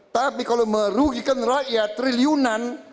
tapi kalau merugikan rakyat triliunan